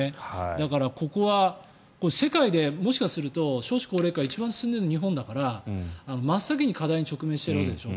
だから、ここは世界でもしかすると少子高齢化が一番進んでいるのは日本だから真っ先に課題に直面しているわけでしょ。